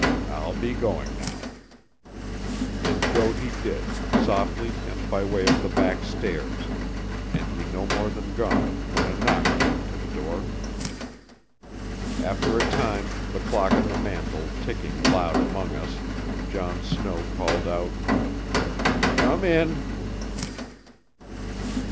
I'll be going now," and go he did, softly and by way of the back stairs; and he no more than gone when a knock came to the door. After a time, the clock on the mantel ticking loud among us, John Snow called out: "Come in!"